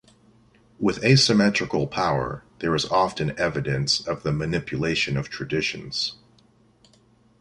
With asymmetrical power, there is often evidence of the manipulation of traditions.